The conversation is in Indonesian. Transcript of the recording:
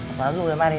apa lagi boleh mari